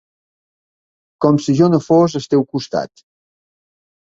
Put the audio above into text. Com si jo no fos al teu costat.